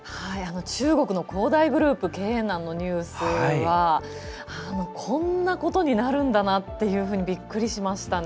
中国の恒大グループ経営難のニュースはこんなことになるんだなっていうふうにびっくりしましたね。